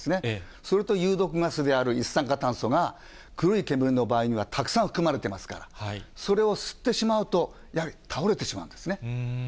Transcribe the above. それと有毒ガスである一酸化炭素が黒い煙の場合にはたくさん含まれていますから、それを吸ってしまうと、やはり倒れてしまうんですね。